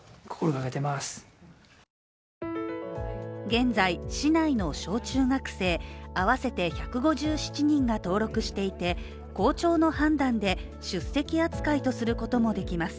現在、市内の小中学生合わせて１５７人が登録していて校長の判断で出席扱いとすることもできます。